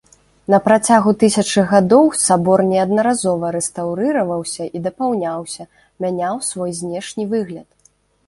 На працягу тысячы гадоў сабор неаднаразова рэстаўрыраваўся і дапаўняўся, мяняў свой знешні выгляд.